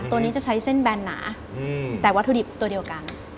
ตัวนี้จะใช้เส้นแบนหนาแต่วัตถุดิบตัวเดียวกัน